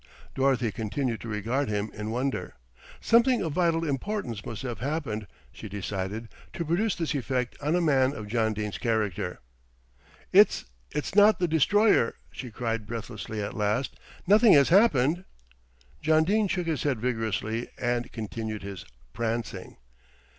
Dorothy continued to regard him in wonder. Something of vital importance must have happened, she decided, to produce this effect on a man of John Dene's character. "It's it's not the Destroyer" she cried breathlessly at last. "Nothing has happened?" John Dene shook his head vigorously, and continued his "prancing."